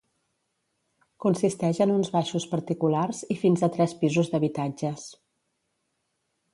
Consisteix en uns baixos particulars i fins a tres pisos d'habitatges.